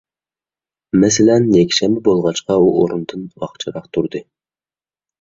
مەسىلەن، يەكشەنبە بولغاچقا، ئۇ ئورنىدىن ۋاقچىراق تۇردى.